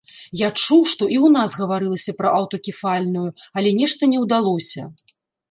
Я чуў, што і ў нас гаварылася пра аўтакефальную, але нешта не ўдалося.